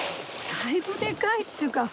だいぶでかいっちゅうか。